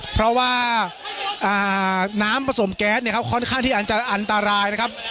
เพราะว่าน้ำผสมแก๊สเนี่ยครับค่อนข้างที่อาจจะอันตรายนะครับ